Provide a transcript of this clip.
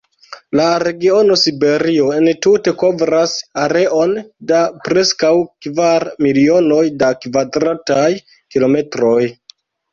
La regiono Siberio entute kovras areon da preskaŭ kvar milionoj da kvadrataj kilometroj.